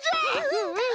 うんうん。